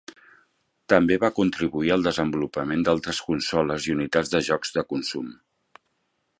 També va contribuir al desenvolupament d'altres consoles i unitats de jocs de consum.